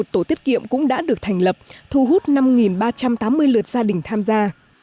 một trăm linh một tổ tiết kiệm cũng đã được thành lập thu hút năm ba trăm tám mươi lượt gia đình tham gia